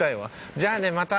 じゃあねまた。